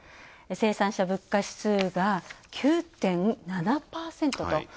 生産者物価指数が９．７％と。